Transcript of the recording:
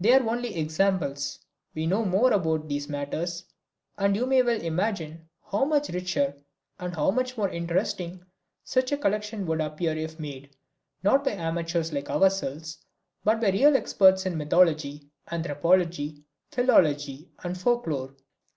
They are only examples. We know more about these matters, and you may well imagine how much richer and how much more interesting such a collection would appear if made, not by amateurs like ourselves, but by real experts in mythology, anthropology, philology and folk lore.